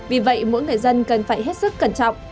vì vậy mỗi người dân cần phải hết sức cẩn trọng